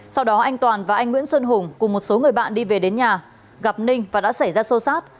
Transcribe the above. sau đó anh toàn và anh nguyễn xuân hùng cùng một số người bạn đi về đến nhà gặp ninh và đã xảy ra xô xát